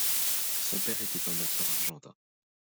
Son père était un danseur argentin.